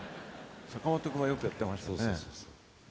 坂本君がよくやってますね。